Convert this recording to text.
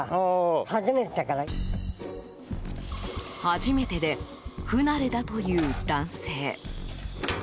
初めてで不慣れだと言う男性。